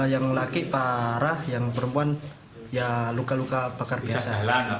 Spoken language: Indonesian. yang laki parah yang perempuan ya luka luka bakar biasa